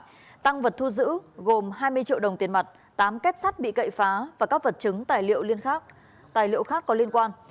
công an tỉnh nghệ an đã bắt giữ gồm hai mươi triệu đồng tiền mặt tám kết sát bị cậy phá và các vật chứng tài liệu liên khác tài liệu khác có liên quan